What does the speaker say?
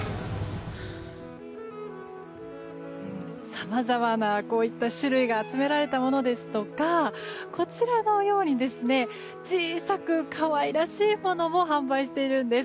さまざまなこういった種類が集められたものですとかこちらのように小さく可愛らしいものも販売しているんです。